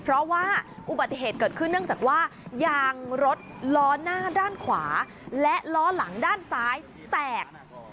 เพราะว่าอุบัติเหตุเกิดขึ้นเนื่องจากว่ายางรถล้อหน้าด้านขวาและล้อหลังด้านซ้ายแตก